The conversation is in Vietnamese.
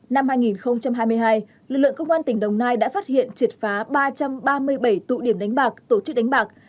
năm hai nghìn hai mươi hai lực lượng công an tỉnh đồng nai đã phát hiện triệt phá ba trăm ba mươi bảy tụ điểm đánh bạc tổ chức đánh bạc